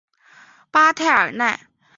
巴泰尔奈。